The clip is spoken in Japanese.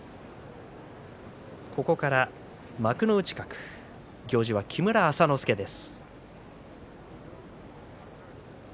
ここから幕内格行司は木村朝之助です。